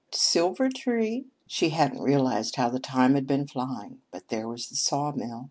Silver tree? She hadn't realized how the time had been flying. But there was the sawmill.